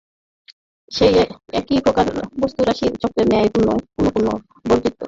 সেই একই প্রকারের বস্তুরাশি চক্রের ন্যায় পুনঃপুন আবর্তিত হইতেছে।